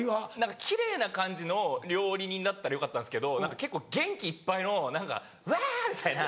キレイな感じの料理人だったらよかったんですけど結構元気いっぱいのワ！みたいな。